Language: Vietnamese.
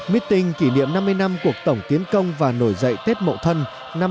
mỹ tình kỷ niệm năm mươi năm cuộc tổng tiến công và nổi dậy tết mậu thân năm một nghìn chín trăm bảy mươi năm